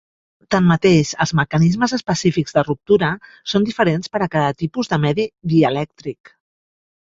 Tanmateix, els mecanismes específics de ruptura són diferents per a cada tipus de medi dielèctric.